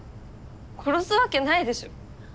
殺すわけないでしょ。